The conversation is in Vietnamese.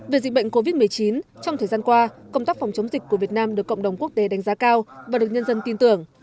về dịch bệnh covid một mươi chín trong thời gian qua công tác phòng chống dịch của việt nam được cộng đồng quốc tế đánh giá cao và được nhân dân tin tưởng